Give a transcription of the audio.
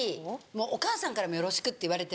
お母さんからもよろしくって言われてる。